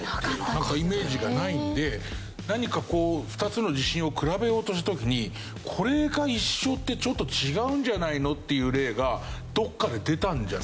なんかイメージがないので何かこう２つの地震を比べようとした時にこれが一緒ってちょっと違うんじゃないの？っていう例がどっかで出たんじゃない？